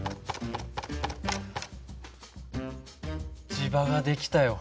磁場が出来たよ。